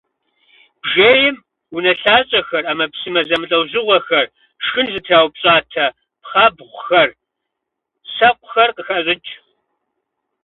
Бжейм унэлъащӏэхэр, ӏэмэпсымэ зэмылӏэужьыгъуэхэр, шхын зытраупщӏатэ пхъэбгъухэр, сэкъухэр къыхащӏыкӏ.